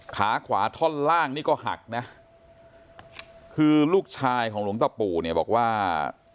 ขาขวาท่อนล่างนี่ก็หักนะคือลูกชายของหลวงปู่เนี่ยบอกว่า